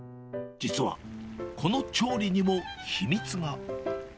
実はこの調理にも秘密が。